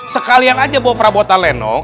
sekalian aja bawa prabowo talenong